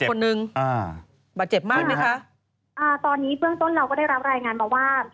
คนนึงอ่าบาดเจ็บมากไหมคะอ่าตอนนี้เบื้องต้นเราก็ได้รับรายงานมาว่า